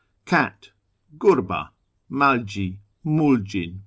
Cat Gurba Mdlji Mfdjin (P.)